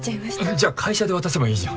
じゃあ会社で渡せばいいじゃん。